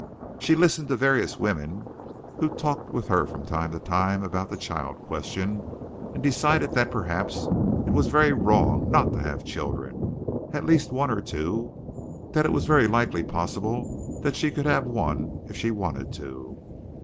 She listened to various women who talked with her from time to time about the child question, and decided that perhaps it was very wrong not to have children at least one or two; that it was very likely possible that she could have one, if she wanted to.